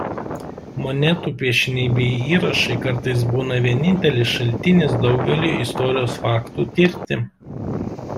Monetų piešiniai bei įrašai kartais būna vienintelis šaltinis daugeliui istorijos faktų tirti.